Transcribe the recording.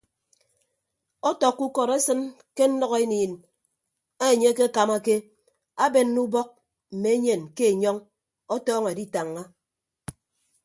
Ọtọkkọ ukọd esịn ke nnʌkeniin enye akekamake abenne ubọk mme enyen ke enyọñ ọtọọñọ editañña.